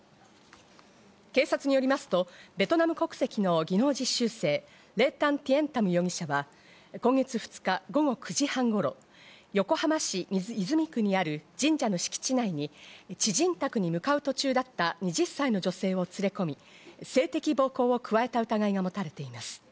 警察によりますと、ベトナム国籍の技能実習生・レ・タン・ティエン・タム容疑者は、今月２日午後９時半頃、横浜市泉区にある神社の敷地内に知人宅に向かう途中だった２０歳の女性を連れ込み、性的暴行を加えた疑いが持たれています。